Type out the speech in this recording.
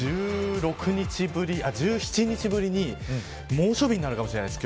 １６日ぶり、１７日ぶりに猛暑日なるかもしれないです